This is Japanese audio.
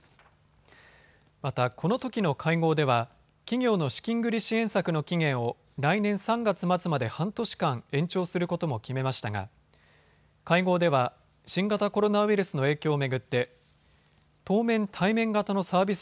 また、このときの会合では企業の資金繰り支援策の期限を来年３月末まで半年間延長することも決めましたが会合では新型コロナウイルスの影響を巡って当面、対面型のサービス